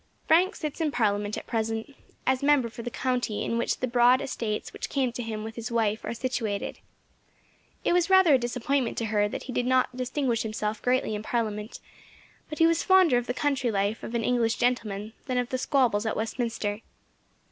Frank sits in Parliament at present, as member for the county in which the broad estates which came to him with his wife are situated. It was rather a disappointment to her that he did not distinguish himself greatly in Parliament, but he was fonder of the country life of an English gentleman than of the squabbles at Westminster.